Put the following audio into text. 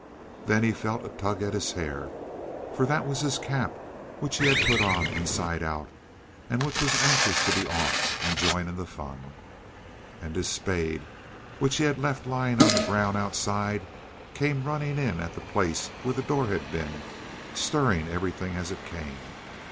Then he felt a tug at his hair, and that was his cap, which he had put on inside out, and which was anxious to be off and join in the fun. And his spade, which he had left lying on the ground outside, came running in at the place where the door had been, stirring everything as it came.